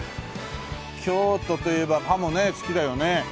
京都といえばハモね好きだよね。